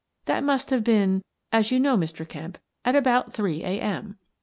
That must have been — as you know, Mr. Kemp — at about three a. m.